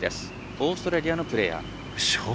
オーストラリアのプレーヤー。